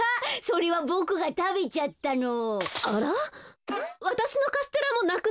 それもボクがたべちゃったの。